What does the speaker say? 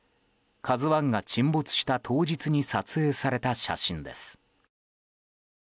「ＫＡＺＵ１」が沈没した当日に撮影された写真です。